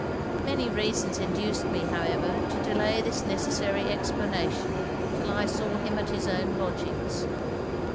Many reasons induced me, however, to delay this necessary explanation 'till I saw him at his own lodgings.